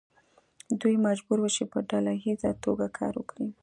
دوی مجبور وو چې په ډله ایزه توګه کار وکړي.